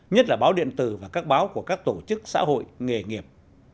nhất là báo điện tử và các báo của các tổ chức xã hội nghề nghiệp